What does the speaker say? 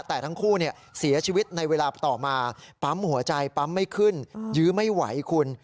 แต่ทั้งคู่เสียชีวิตในเวลาต่อมาปั๊มหัวใจปั๊มไม่ขึ้นยื้อไม่ไหวคุณ